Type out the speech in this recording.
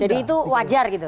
jadi itu wajar gitu